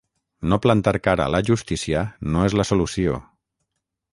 No plantar cara a la justícia no és la solució.